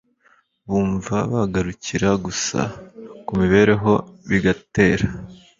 bumva bagarukira gusa ku mibereho, bigatera